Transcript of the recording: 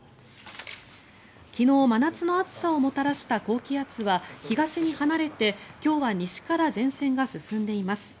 昨日、真夏の暑さをもたらした高気圧は東に離れて、今日は西から前線が進んでいます。